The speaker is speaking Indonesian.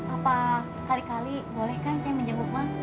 apa sekali kali bolehkan saya menjenguk mas